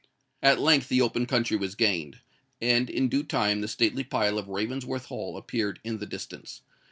At length the open country was gained; and in due time the stately pile of Ravensworth Hall appeared in the distance.